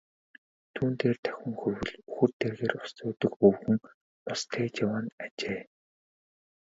Түүн дээр давхин хүрвэл үхэр тэргээр ус зөөдөг өвгөн ус тээж яваа нь ажээ.